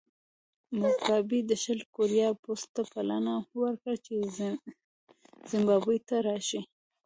موګابي د شلي کوریا پوځ ته بلنه ورکړه چې زیمبابوې ته راشي.